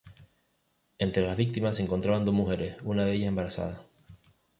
Entre las víctimas se encontraban dos mujeres, una de ellas embarazada.